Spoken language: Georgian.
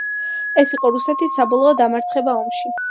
ეს იყო რუსეთის საბოლოო დამარცხება ომში.